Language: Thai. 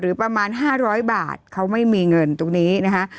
ประมาณ๕๐๐บาทเขาไม่มีเงินตรงนี้นะคะ